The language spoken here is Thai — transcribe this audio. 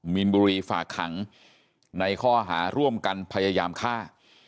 มีนบุรีฝากขังในข้อหาร่วมกันพยายามฆ่า